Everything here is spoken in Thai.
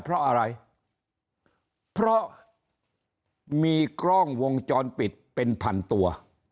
เพราะอะไรเพราะมีกล้องวงจรปิดเป็นพันตัว